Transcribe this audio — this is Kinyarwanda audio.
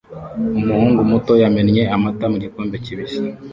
umuhungu muto yamennye amata mu gikombe kibisi